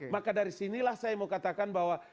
maka dari sinilah saya mau katakan bahwa